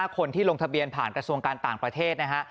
คนที่ลงทะเบียนผ่านกระทรวงการต่างประเทศนะฮะ